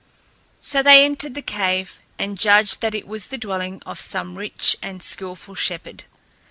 So they entered the cave and judged that it was the dwelling of some rich and skilful shepherd.